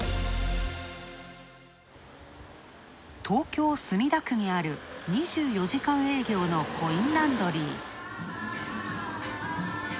東京・墨田区にある２４時間営業のコインランドリー。